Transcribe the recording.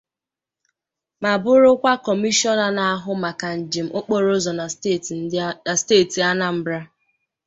ma bụrụkwa Kọmishọna na-ahụ maka njem okporoụzọ na steeti Anambra